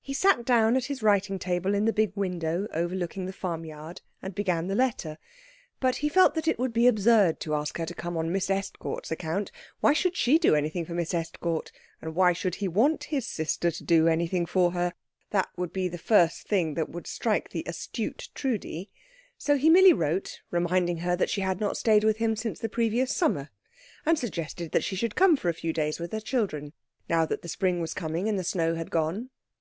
He sat down at his writing table in the big window overlooking the farmyard, and began the letter. But he felt that it would be absurd to ask her to come on Miss Estcourt's account. Why should she do anything for Miss Estcourt, and why should he want his sister to do anything for her? That would be the first thing that would strike the astute Trudi. So he merely wrote reminding her that she had not stayed with him since the previous summer, and suggested that she should come for a few days with her children, now that the spring was coming and the snow had gone.